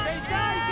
いけ！